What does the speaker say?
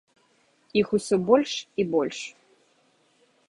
Іх усё больш і больш.